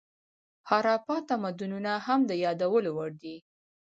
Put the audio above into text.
هاراپا تمدنونه هم د یادولو وړ دي.